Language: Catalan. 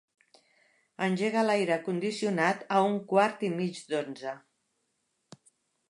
Engega l'aire condicionat a un quart i mig d'onze.